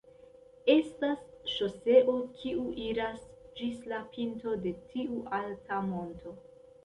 Estas ŝoseo kiu iras ĝis la pinto de tiu alta monto.